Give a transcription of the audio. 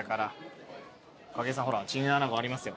筧さんほらチンアナゴありますよ。